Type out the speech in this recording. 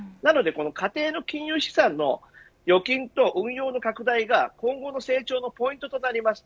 家庭の金融資産の預金と運用の拡大が今後の成長のポイントとなります。